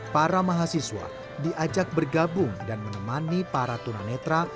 para mahasiswa diajak bergabung dan menemani para tuna netra